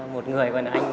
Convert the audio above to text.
một người gọi là anh